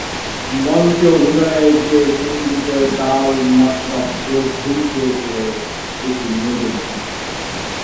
মঞ্চে অভিনয়ের চেয়ে সংগীতের তাল-মাত্রা প্রভৃতিতে বেশি মনোযোগ দিতেন।